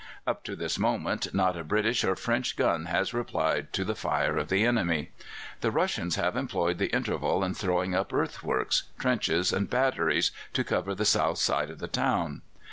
Up to this moment not a British or French gun has replied to the fire of the enemy. The Russians have employed the interval in throwing up earthworks, trenches, and batteries, to cover the south side of the town.